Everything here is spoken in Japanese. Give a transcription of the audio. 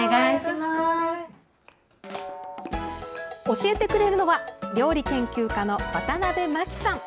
教えてくれるのは料理研究家のワタナベマキさん。